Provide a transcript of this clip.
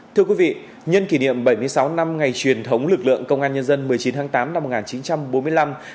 thưa quý vị nhân kỷ niệm bảy mươi sáu năm ngày truyền thống lực lượng công an nhân dân một mươi chín tháng tám năm một nghìn chín trăm bốn mươi năm